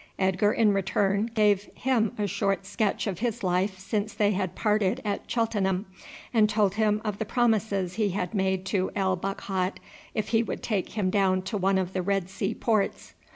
Edgar in return gave him a short sketch of his life since they had parted at Cheltenham, and told him of the promises he had made to El Bakhat if he would take him down to one of the Red Sea ports.